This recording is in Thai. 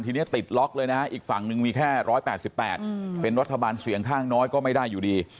ทีนี้ติดล็อกเลยนะฮะอีกฝั่งหนึ่งมีแค่๑๘๘เป็นรัฐบาลเสียงข้างน้อยก็ไม่ได้อยู่ดี